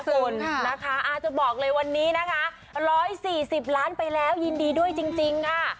คุณนะคะอาจจะบอกเลยวันนี้นะคะ๑๔๐ล้านไปแล้วยินดีด้วยจริงค่ะ